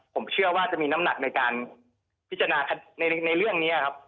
ผมเชื่อว่าจะมีน้ำหนักในการพิจารณาในเรื่องนี้ครับ